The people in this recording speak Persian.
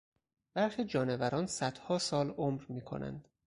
برخی جانوران صدها سال عمر میکنند.